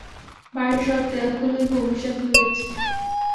বাড়ির সব দেয়ালগুলোই ভূমিসাৎ হয়েছে।